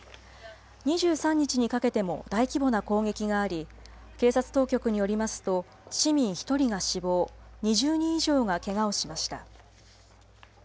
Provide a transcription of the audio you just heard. ２３日にかけても大規模な攻撃があり、警察当局によりますと、市民１人が死亡、２０人以上がけがをしました。